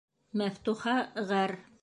Мәфтуха ғәр.